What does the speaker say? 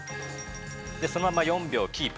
そのまま４秒キープ。